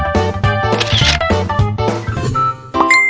กับความใจแย้งด้วยกัน